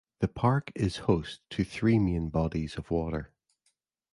The park is host to three main bodies of water.